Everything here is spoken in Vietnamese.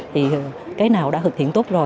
thì cái nào đã thực hiện tốt rồi